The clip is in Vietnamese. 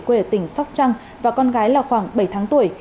quê ở tỉnh sóc trăng và con gái là khoảng bảy tháng tuổi